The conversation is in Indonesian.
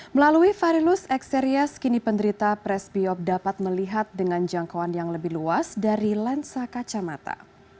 melalui varilus ekserias kini penderita presbiop dapat melihat dengan jangkauan yang lebih luas dari lensa kacamata